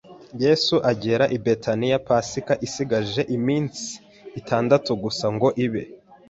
Yesu agera i Betaniya Pasika isigaje iminsi itandatu gusa ngo ibe